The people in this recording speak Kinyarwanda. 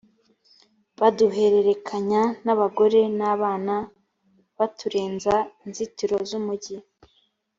baduherekeranya n’abagore n’abana baturenza inzitiro z’umujyi